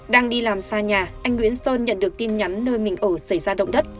đang đi làm xa nhà anh nguyễn sơn nhận được tin nhắn nơi mình ở xảy ra động đất